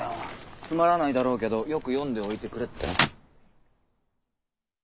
「つまらないだろうけどよく読んでおいてくれ」ってな。